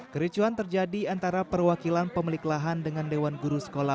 kericuan terjadi antara perwakilan pemilik lahan dengan dewan guru sekolah